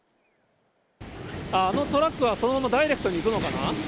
あのトラックがそのままダイレクトにいくのかな。